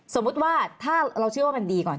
สมมุติว่าถ้าเราเชื่อว่ามันดีก่อน